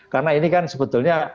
karena ini kan sebetulnya